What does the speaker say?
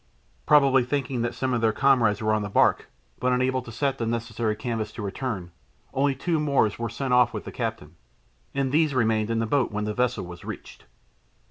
Probably thinking that some of their comrades were on the barque, but unable to set the necessary canvas to return, only two Moors were sent off with the captain, and these remained in the boat when the vessel was reached.